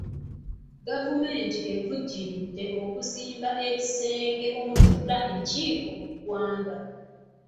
Gavumenti evujjiridde okuzimba ebisenge omutuula enkiiko mu ggwanga.